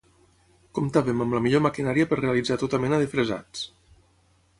Comptàvem amb la millor maquinària per realitzar tota mena de fresats.